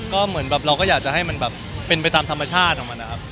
ก็เหมือนแบบเราก็อยากจะให้มันแบบเป็นไปตามธรรมชาติของมันนะครับ